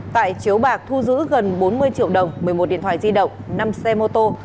tại chiếu bạc thu giữ gần bốn mươi triệu đồng một mươi một điện thoại di động năm xe mô tô